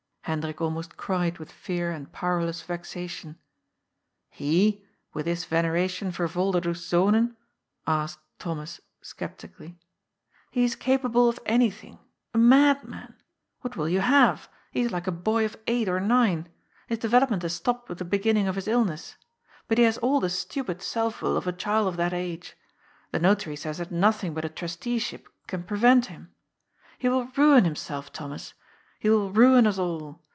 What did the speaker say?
Hendrik almost cried with fear and powerless vexation. "He, with his veneration for Volderdoes Zonen?" asked Thomas sceptically. " He is capable of anything. A madman. What will you have ? He is like a boy of eight or nine. His develop ment has stopped with the beginning of his illness. But he has all the stupid self will of a child of that age. The Notary says that nothing but a trusteeship can prevent him. He will ruin himself, Thomas. He will ruin us all.